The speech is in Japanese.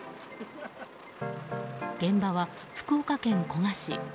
現場は福岡県古賀市。